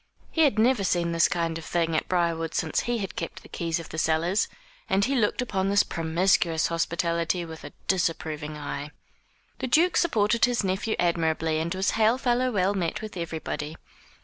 He had never seen this kind of thing at Briarwood since he had kept the keys of the cellars; and he looked upon this promiscuous hospitality with a disapproving eye. The Duke supported his nephew admirably, and was hail fellow well met with everybody.